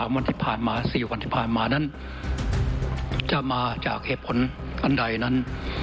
วันที่ผ่านมา๔วันที่ผ่านมานั้นจะมาจากเหตุผลอันใดนั้น